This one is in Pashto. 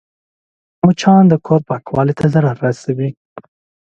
مچان د کور پاکوالي ته ضرر رسوي